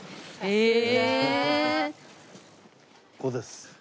へえ。